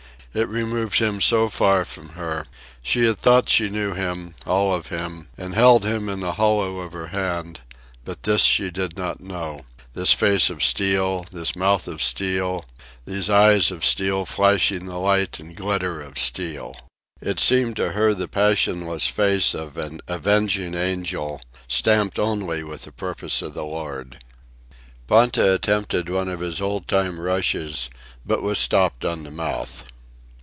It removed him so far from her. She had thought she knew him, all of him, and held him in the hollow of her hand; but this she did not know this face of steel, this mouth of steel, these eyes of steel flashing the light and glitter of steel. It seemed to her the passionless face of an avenging angel, stamped only with the purpose of the Lord. Ponta attempted one of his old time rushes, but was stopped on the mouth.